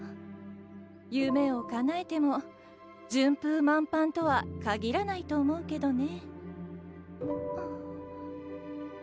夢をかなえても順風満帆とは限らないと思うけどね。